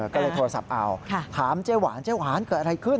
ก็เลยโทรศัพท์เอาถามเจ๊หวานเจ๊หวานเกิดอะไรขึ้น